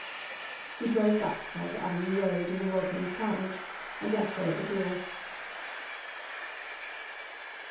He drove back with her to Avenue Road in the Rodmans' carriage, and left her at the door.